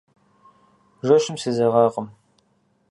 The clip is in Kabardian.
Жэщым сезэгъакъым.